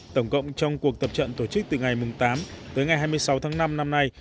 tổng cộng trong cuộc tập trận tổ chức từ ngày tám tới ngày hai mươi sáu tháng năm năm nay